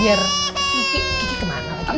biar kiki kemana lagi